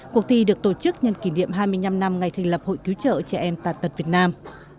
cuộc thi được tổ chức nhân kỷ niệm hai mươi năm năm ngày thành lập hội cứu trợ trẻ em tàn tật việt nam